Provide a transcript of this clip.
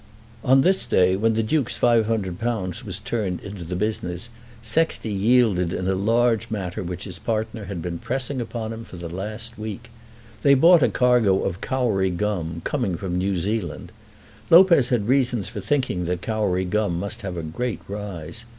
On this day, when the Duke's £500 was turned into the business, Sexty yielded in a large matter which his partner had been pressing upon him for the last week. They bought a cargo of Kauri gum, coming from New Zealand. Lopez had reasons for thinking that Kauri gum must have a great rise.